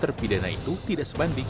terpidana itu tidak sebanding